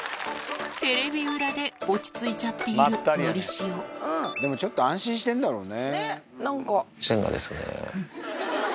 テレビ裏で落ち着いちゃっているのりしおでもちょっと安心してんだろうね。